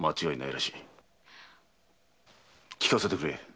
聞かせてくれ。